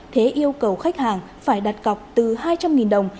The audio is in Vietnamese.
thế yêu cầu khách hàng phải đặt cọc từ hai trăm linh đồng